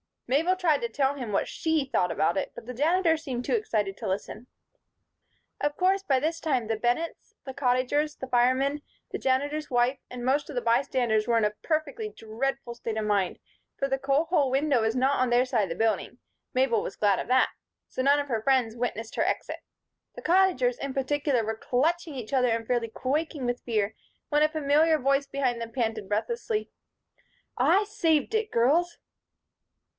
Mabel tried to tell him what she thought about it, but the Janitor seemed too excited to listen. Of course, by this time, the Bennetts, the Cottagers, the firemen, the Janitor's wife and most of the bystanders were in a perfectly dreadful state of mind; for the coal hole window was not on their side of the building Mabel was glad of that so none of her friends witnessed her exit. The Cottagers, in particular, were clutching each other and fairly quaking with fear when a familiar voice behind them panted breathlessly: "I saved it, girls."